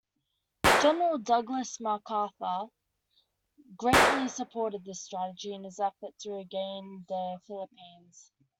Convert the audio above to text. General Douglas MacArthur greatly supported this strategy in his effort to regain the Philippines.